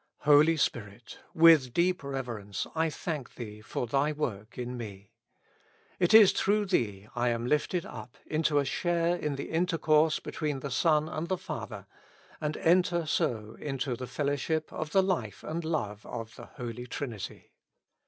Holy Spirit ! with deep reverence I thank Thee for Thy work in me. It is through Thee I am lifted up into a share in the intercourse between the Son and the Father, and enter so into the fellowship of the life and love of the Holy Trinity.